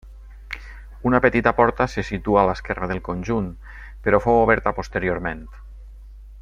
Una petita porta se situa a l'esquerra del conjunt, però fou oberta posteriorment.